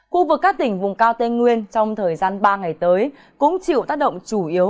khu vực các tỉnh vùng cao tây nguyên trong thời gian ba ngày tới cũng chịu tác động chủ yếu